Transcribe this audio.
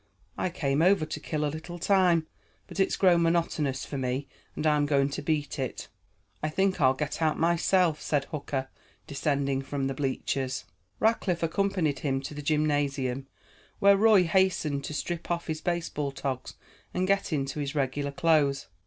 I came over to kill a little time, but it's grown monotonous for me, and I'm going to beat it." "I think I'll get out myself," said Hooker, descending from the bleachers. Rackliff accompanied him to the gymnasium, where Roy hastened to strip off his baseball togs and get into his regular clothes.